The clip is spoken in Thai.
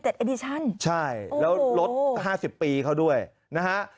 ขอโทษนะฮะใช่แล้วลด๕๐ปีเขาด้วยนะฮะ